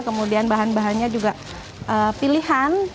kemudian bahan bahannya juga pilihan